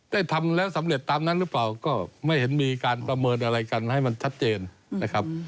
ได้ทำแล้วสำเร็จตามนั้นหรือเปล่าก็ไม่เห็นมีการประเมินอะไรกันให้มันชัดเจนนะครับ